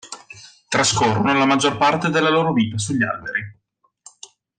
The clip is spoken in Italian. Trascorrono la maggior parte della loro vita sugli alberi.